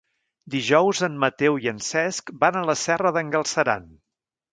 Dijous en Mateu i en Cesc van a la Serra d'en Galceran.